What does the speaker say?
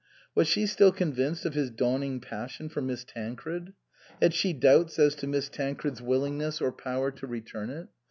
Was she still con vinced of his dawning passion for Miss Tancred ? Had she doubts as to Miss Tancred's willingness 94 INLAND or power to return it?